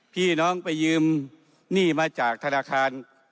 พี่น้องไปยืมหนี้มาจากธนาคาร